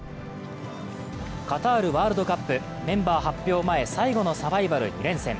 カタールワールドカップ、メンバー発表前、最後のサバイバル２連戦。